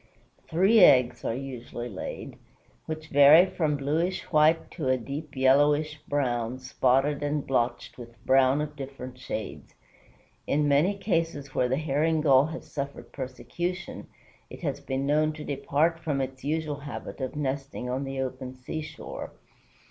Three eggs are usually laid, which vary from bluish white to a deep yellowish brown, spotted and blotched with brown of different shades. In many cases where the Herring Gull has suffered persecution, it has been known to depart from its usual habit of nesting on the open seashore.